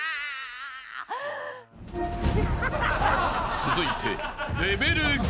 ［続いて］